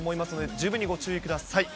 十分にご注意ください。